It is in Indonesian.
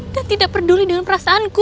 dan tidak peduli dengan perasaanku